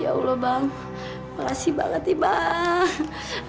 ya allah bang makasih banget ya bang